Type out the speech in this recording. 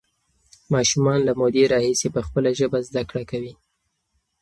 ماشومان له مودې راهیسې په خپله ژبه زده کړه کوي.